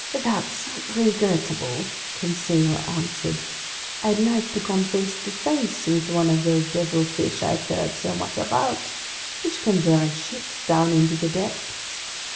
"That's regrettable," Conseil answered. "I'd like to come face to face with one of those devilfish I've heard so much about, which can drag ships down into the depths.